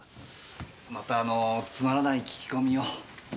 またあのつまらない聞き込みを。